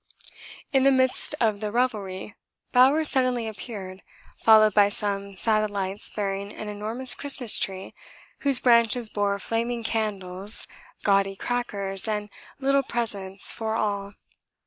In the midst of the revelry Bowers suddenly appeared, followed by some satellites bearing an enormous Christmas Tree whose branches bore flaming candles, gaudy crackers, and little presents for all.